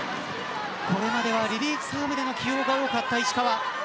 これまではリリーフサーブでの起用が多かった石川。